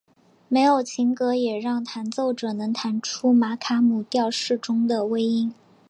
没有琴格也让弹奏者能弹出玛卡姆调式中的微音。